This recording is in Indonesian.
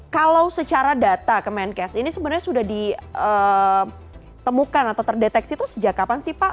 kalau secara data kemenkes ini sebenarnya sudah ditemukan atau terdeteksi itu sejak kapan sih pak